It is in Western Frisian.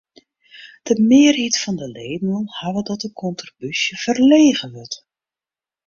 De mearheid fan de leden wol hawwe dat de kontribúsje ferlege wurdt.